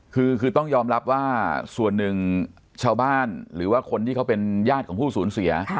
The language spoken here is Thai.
คือคือต้องยอมรับว่าส่วนหนึ่งชาวบ้านหรือว่าคนที่เขาเป็นญาติของผู้สูญเสีย